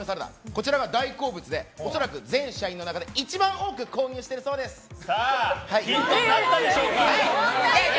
こちらが大好物で恐らく全社員の中でヒントになったでしょうか。